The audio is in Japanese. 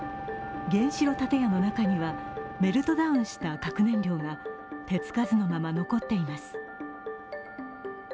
原子炉建屋の中にはメルトダウンした核燃料が手つかずのまま残っています。